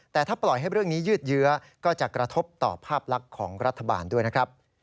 แต่ถ้าปล่อยให้เรื่องนี้ยืดเยื้อก็จะกระทบต่อภาพลักษณ์ของรัฐบาลด้วยนะครับ